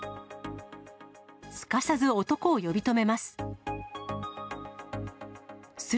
すかさず男を呼び止めます。